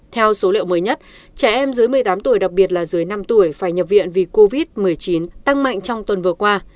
theo số liệu mới nhất trẻ em dưới một mươi tám tuổi đặc biệt là dưới năm tuổi phải nhập viện vì covid một mươi chín tăng mạnh trong tuần vừa qua